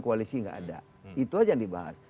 koalisi enggak ada itu aja yang dibahas